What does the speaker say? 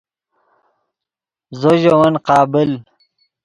زو ژے ون قابل